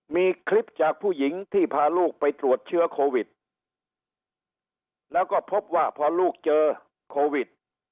มีคลิปจากผู้หญิงที่พาลูกไปตรวจเชื้อโควิดแล้วก็พบว่าพอลูกเจอโควิด